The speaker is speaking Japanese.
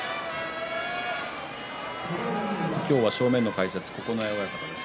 今日は正面の解説、九重親方です。